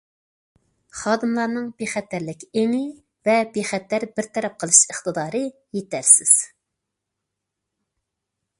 خادىملارنىڭ بىخەتەرلىك ئېڭى ۋە بىخەتەر بىر تەرەپ قىلىش ئىقتىدارى يېتەرسىز.